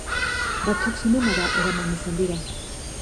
Batzuk zinemara eraman izan dira.